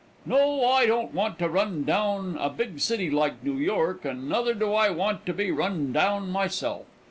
"No, I don't want to run down a big city like New York and nuther do I want to be run down myself.